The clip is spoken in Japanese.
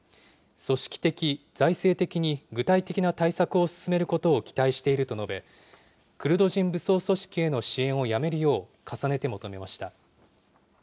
組織的、財政的に、具体的な対策を進めることを期待していると述べ、クルド人武装組織への支援をやめるよう、重ねて求めました。